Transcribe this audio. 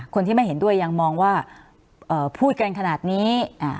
คนที่ไม่เห็นด้วยยังมองว่าพูดกันขนาดนี้